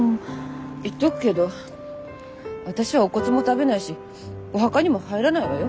言っとくけど私はお骨も食べないしお墓にも入らないわよ。